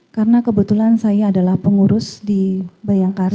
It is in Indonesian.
karena kebetulan saya adalah pengurus di bayangkari